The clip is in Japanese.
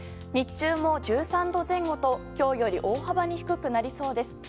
日中も１３度前後と今日より大幅に低くなりそうです。